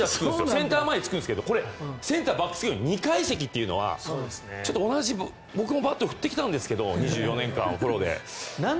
センター前につくんですけどこれ、センターバックスクリーン２階席というのはちょっと僕もバット振ってきたんですけど２４年間、プロで。